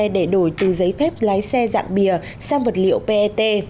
để đổi từ giấy phép lái xe dạng bìa sang vật liệu pet